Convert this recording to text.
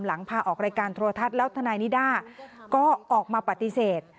พาออกรายการโทรทัศน์แล้วทนายนิด้าก็ออกมาปฏิเสธ